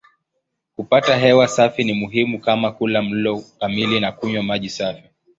Kupata hewa safi ni muhimu kama kula mlo kamili na kunywa maji safi.